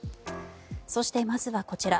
そして、まずはこちら。